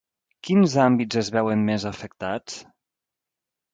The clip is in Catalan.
Quins àmbits es veuen més afectats?